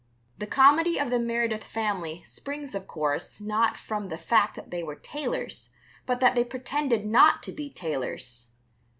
The comedy of the Meredith family springs, of course, not from the fact that they were tailors, but that they pretended not to be tailors.